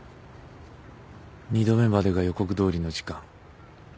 ２度目までが予告どおりの時間。